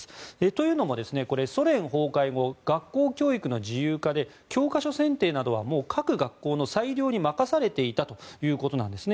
というのも、ソ連崩壊後学校教育の自由化で教科書選定などはもう各学校の裁量に任されていたということなんです。